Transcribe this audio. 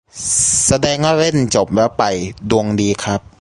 แสดงว่าเล่นจบแล้วไป ดวงดีครับ